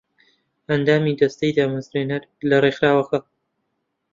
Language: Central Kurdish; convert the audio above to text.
ئەندامی دەستەی دامەزرێنەر لە ڕێکخراوەکە